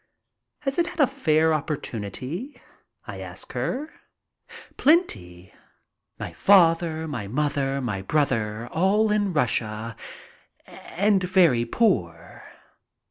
"Has it had a fair opportunity?" I ask her. "Plenty. My father, my mother, my brother all in Rus sia and very poor.